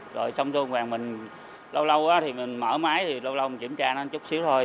rồi xong rồi mình lâu lâu thì mình mở máy thì lâu lâu mình kiểm tra nó chút xíu thôi